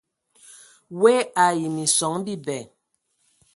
Woe ai minson bibɛ.